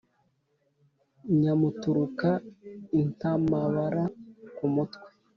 nyamuturuka intamabara ku mutwe,